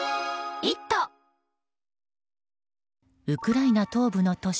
ウクライナ東部の都市